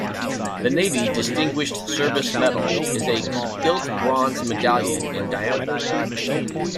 The Navy Distinguished Service Medal is a gilt bronze medallion in diameter.